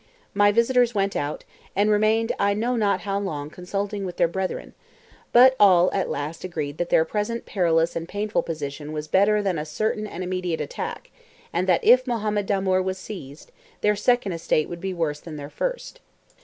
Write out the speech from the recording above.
My visitors went out, and remained I know not how long consulting with their brethren, but all at last agreed that their present perilous and painful position was better than a certain and immediate attack, and that if Mohammed Damoor was seized, their second estate would be worse than their first.